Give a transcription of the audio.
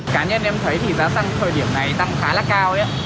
cá nhân em thấy thì giá xăng thời điểm này tăng khá là cao